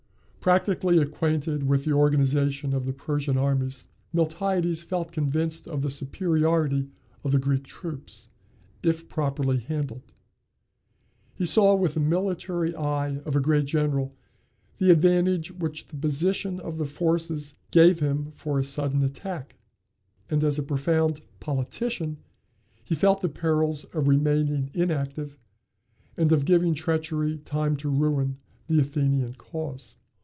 Practically acquainted with the organization of the Persian armies, Miltiades felt convinced of the superiority of the Greek troops, if properly handled; he saw with the military eye of a great general the advantage which the position of the forces gave him for a sudden attack, and as a profound politician he felt the perils of remaining inactive, and of giving treachery time to ruin the Athenian cause.